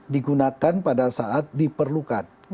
digunakan pada saat diperlukan